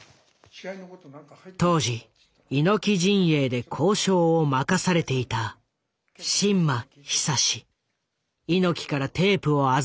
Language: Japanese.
当時猪木陣営で交渉を任されていた猪木からテープを預かり大切に保管していた。